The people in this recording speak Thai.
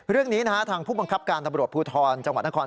เรื่องนี้ทางผู้บังคับการตำรวจภูทธรณ์จังหวัดทำคร